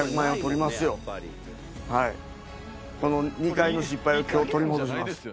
はい２回の失敗を今日取り戻します